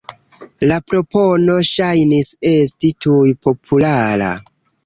La propono ŝajnis esti tuj populara.